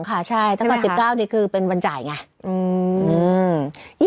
ใช่ค่ะใช่ตั้งแต่๑๙นี่คือเป็นวันจ่ายไง